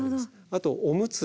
あとおむつ。